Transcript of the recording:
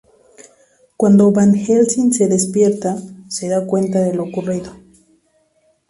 Cuando Van Helsing se despierta, se da cuenta de lo ocurrido.